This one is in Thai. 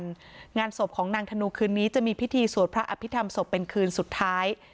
งานศพของนางธนูคืนนี้จะมีพิธีสวดพระอภิษฐรรมศพเป็นคืนสุดท้าย